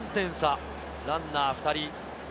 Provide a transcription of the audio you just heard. ４点差、ランナー２人。